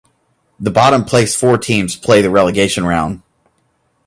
The bottom placed four teams play the relegation round.